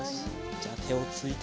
じゃあてをついて。